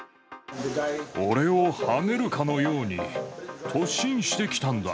俺をはねるかのように、突進してきたんだ。